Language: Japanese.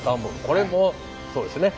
これもそうですね。